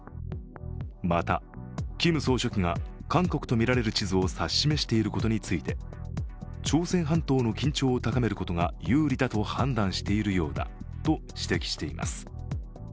また、キム総書記が韓国と見られる地図を指し示していることについて朝鮮半島の緊張を高めることが有利だと判断しているようだと指摘しています。